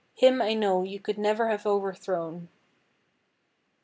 Him I know you could never have overthrown."